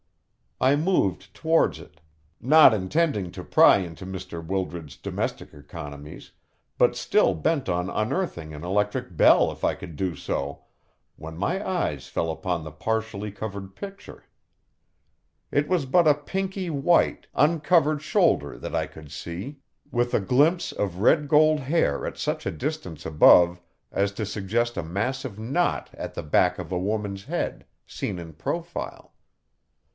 I moved towards it, not intending to pry into Mr. Wildred's domestic economies, but still bent on unearthing an electric bell if I could do so, when my eyes fell upon the partially covered picture. It was but a pinky white, uncovered shoulder that I could see, with a glimpse of red gold hair at such a distance above as to suggest a massive knot at the back of a woman's head, seen in profile.